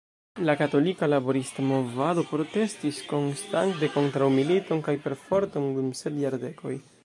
La Katolika Laborista Movado protestis konstante kontraŭ militon kaj perforton dum sep jardekoj.